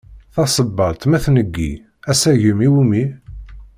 Tasebbalt ma tneggi, asagem iwumi?